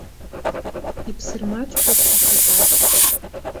Иԥсырмаҷгоуп аҭакар.